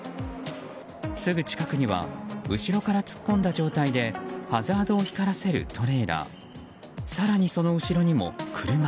すぐ近くには後ろから突っ込んだ状態でハザードを光らせるトレーラー。